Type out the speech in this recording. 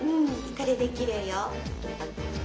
これできれいよ。